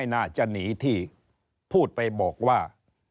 น่าจะหนีที่พูดไปบอกว่า